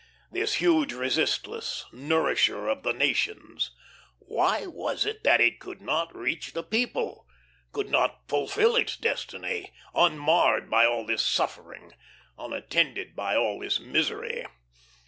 This huge resistless Nourisher of the Nations why was it that it could not reach the People, could not fulfil its destiny, unmarred by all this suffering, unattended by all this misery?